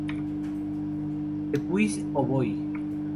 Depuis "o Voy.